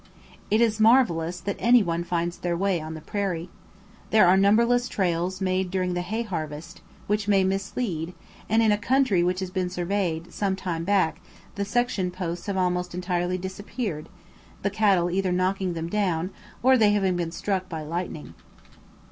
It is marvellous that anyone finds their way on the prairie. There are numberless trails made during the hay harvest, which may mislead; and in a country which has been surveyed, some time back, the section posts have almost entirely disappeared, the cattle either knocking them down or they having been struck by lightning.